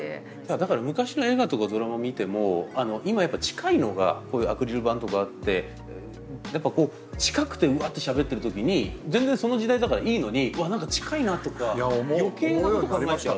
だから昔の映画とかドラマ見ても今やっぱ近いのがこういうアクリル板とかあってやっぱこう近くてうわってしゃべってる時に全然その時代だからいいのに「うわっ何か近いな」とか余計なこと考えてた。